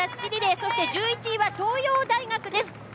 そして１１位は東洋大学です。